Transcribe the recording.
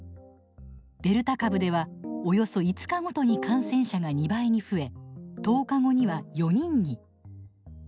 デルタ株ではおよそ５日ごとに感染者が２倍に増え１０日後には４人に。